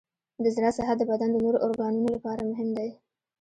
د زړه صحت د بدن د نورو ارګانونو لپاره مهم دی.